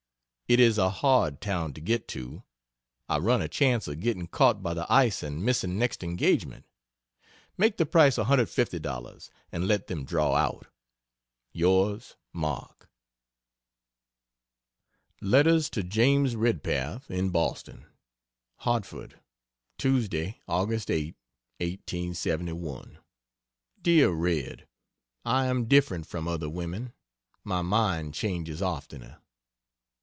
It is a hard town to get to I run a chance of getting caught by the ice and missing next engagement. Make the price $150 and let them draw out. Yours MARK Letters to James Redpath, in Boston: HARTFORD, Tuesday Aug. 8, 1871. DEAR RED, I am different from other women; my mind changes oftener.